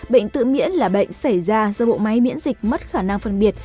bệnh tự miễn là bệnh xảy ra do bộ máy miễn dịch mất khả năng phân biệt